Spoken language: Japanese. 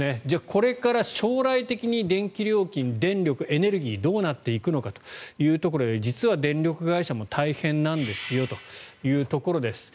これから将来的に電気料金、電力、エネルギーどうなっていくのかということで実は電力会社も大変なんですよというところです。